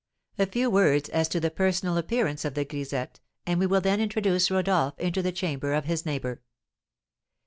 A few words as to the personal appearance of the grisette, and we will then introduce Rodolph into the chamber of his neighbour.